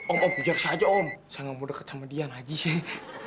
om om biar saya aja om saya gak mau deket sama dia lagi sih